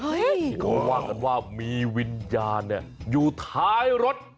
ที่เขาว่ากันว่ามีวิญญาณอยู่ท้ายรถ